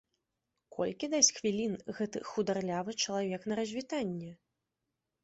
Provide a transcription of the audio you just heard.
Колькі дасць хвілін гэты хударлявы чалавек на развітанне?